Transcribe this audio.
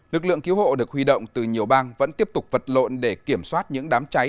lực lượng cứu hộ được huy động từ nhiều bang vẫn tiếp tục vật lộn để kiểm soát những đám cháy